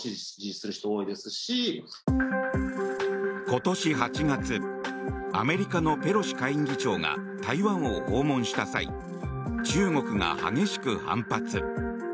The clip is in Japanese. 今年８月アメリカのペロシ下院議長が台湾を訪問した際中国が激しく反発。